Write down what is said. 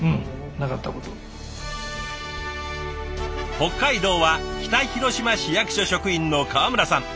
北海道は北広島市役所職員の川村さん。